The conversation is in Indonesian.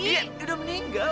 iya udah meninggal